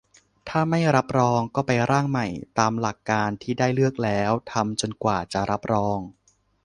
ถ้าไม่รับรอง ก็ไปร่างใหม่ ตามหลักการที่ได้เลือกแล้ว ทำจนกว่าจะรับรอง